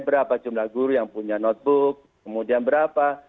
berapa jumlah guru yang punya notebook kemudian berapa